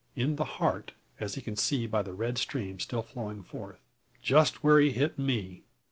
In the heart, as he can see by the red stream still flowing forth! "Just where he hit me!